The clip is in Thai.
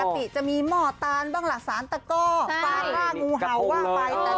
ปกติจะมีเหมาะตาลบ้างหลักศาลแต่ก็ฟ้าข้างอูเหาว่างไป